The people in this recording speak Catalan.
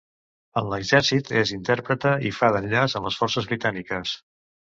En l'exèrcit és intèrpret i fa d'enllaç amb les forces britàniques.